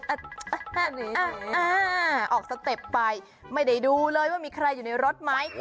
อันนี้ออกสเต็ปไปไม่ได้ดูเลยว่ามีใครอยู่ในรถไหม